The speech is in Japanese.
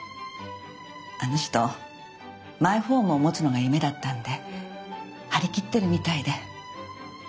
あの人マイホームを持つのが夢だったんで張り切ってるみたいで。